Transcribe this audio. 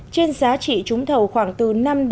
trên giá trị trúng thầu khoảng từ năm mươi